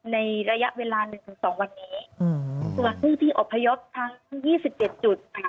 ในระยะเวลาหนึ่งถึงสองวันนี้อืมส่วนผู้ที่อบพยพทั้งยี่สิบเจ็ดจุดค่ะ